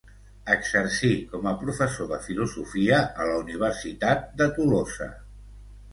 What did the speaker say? Exercí com a professor de filosofia a la universitat de Tolosa.